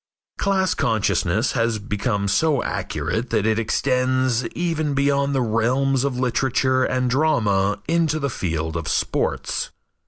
Class consciousness has become so acute that it extends even beyond the realms of literature and drama into the field of sports.